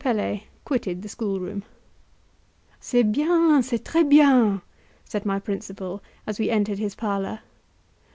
Pelet quitted the school room. "C'est bien! c'est tres bien!" said my principal as we entered his parlour.